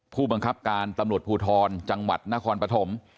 ผู้บังคับการตำรวจภูทรจังหวัดนครปฐม